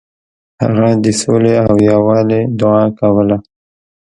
هغه د سولې او یووالي دعا کوله.